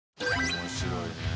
面白いね。